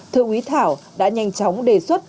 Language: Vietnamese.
thượng quý thảo đã nhanh chóng đề xuất